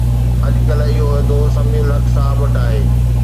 اڄڪلهه اهو عهدو سميع الحق صاحب وٽ آهي.